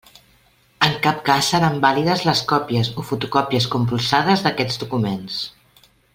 En cap cas seran vàlides les còpies o fotocòpies compulsades d'aquests documents.